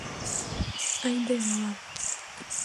— Айдемылан!